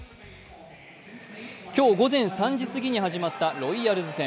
今日午前３時過ぎに始まったロイヤルズ戦。